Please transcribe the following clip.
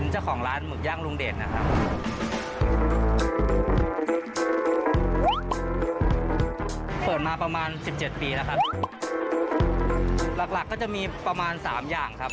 หลักก็จะมีประมาณ๓อย่างครับ